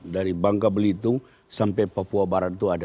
dari bangka belitung sampai papua barat itu ada